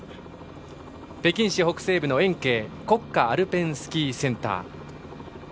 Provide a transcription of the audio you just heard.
北京市北西部の延慶国家アルペンスキーセンター。